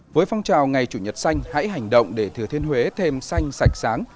với phong trào ngày chủ nhật xanh hãy hành động để thừa thiên huế thêm xanh sạch sáng